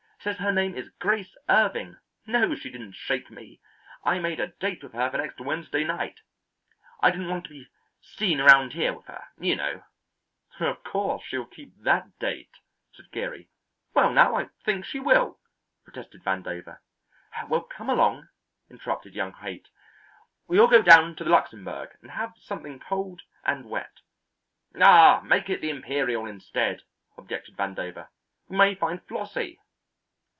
Says her name is Grace Irving. No, she didn't shake me. I made a date with her for next Wednesday night. I didn't want to be seen around here with her, you know." "Of course she will keep that date!" said Geary. "Well, now, I think she will," protested Vandover. "Well, come along," interrupted young Haight. "We'll all go down to the Luxembourg and have something cold and wet." "Ah, make it the Imperial instead," objected Vandover. "We may find Flossie."